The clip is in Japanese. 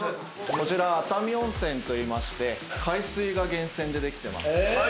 こちら熱海温泉といいまして海水が源泉でできてます。